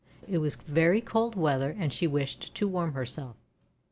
It was very cold weather and she wished to warm herself.